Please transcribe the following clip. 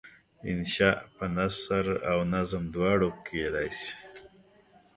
انشأ په نثر او نظم دواړو کیدای شي.